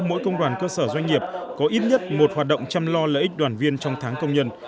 mỗi công đoàn cơ sở doanh nghiệp có ít nhất một hoạt động chăm lo lợi ích đoàn viên trong tháng công nhân